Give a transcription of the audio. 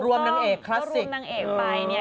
รวมนางเอกคลาสสิกรวมนางเอกไป